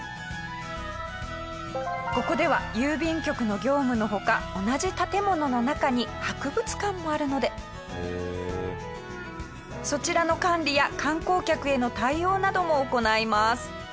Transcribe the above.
ここでは郵便局の業務のほか同じ建物の中に博物館もあるのでそちらの管理や観光客への対応なども行います。